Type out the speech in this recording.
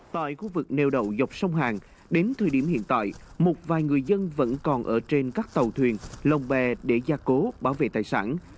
tại khu vực neo đậu dọc sông hàng đến thời điểm hiện tại một vài người dân vẫn còn ở trên các tàu thuyền lồng bè để gia cố bảo vệ tài sản